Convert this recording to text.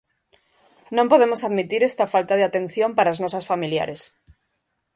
Non podemos admitir esta falta de atención para as nosas familiares.